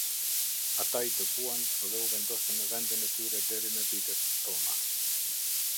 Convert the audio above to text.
Ata i dëbuan dhe u vendosën në vendin e tyre deri në ditët tona.